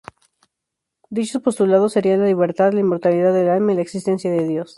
Dichos postulados serían la libertad, la inmortalidad del alma y la existencia de Dios.